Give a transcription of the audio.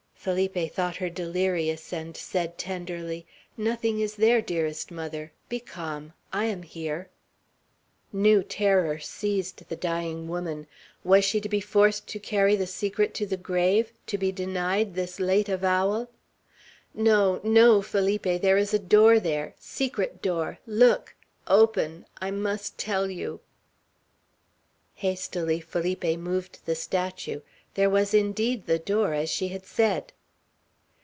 Felipe thought her delirious, and said tenderly, "Nothing is there, dearest mother. Be calm. I am here." New terror seized the dying woman. Was she to be forced to carry the secret to the grave? to be denied this late avowal? "No! no! Felipe there is a door there secret door. Look! Open! I must tell you!" Hastily Felipe moved the statue. There was indeed the door, as she had said.